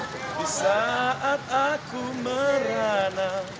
di saat aku merana